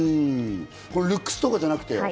ルックスとかじゃなくてよ。